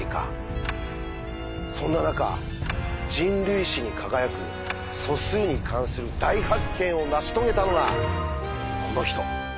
そんな中人類史に輝く素数に関する大発見を成し遂げたのがこの人！